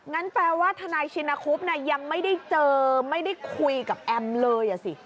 แปลว่าทนายชินคุบยังไม่ได้เจอไม่ได้คุยกับแอมเลยอ่ะสิ